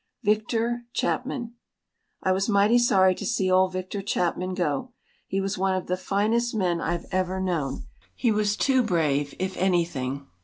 VICTOR CHAPMAN I was mighty sorry to see old Victor Chapman go. He was one of the finest men I've ever known. He was too brave if anything.